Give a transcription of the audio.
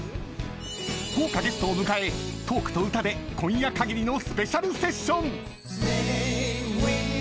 豪華ゲストを迎え、トークと歌で今夜限りのスペシャルセッション。